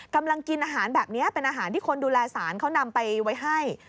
กำลังกินอาหารแบบนี้เป็นอาหารที่คนดูแลสารเขานำไปไว้ให้